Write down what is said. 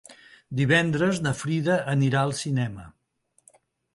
Divendres na Frida anirà al cinema.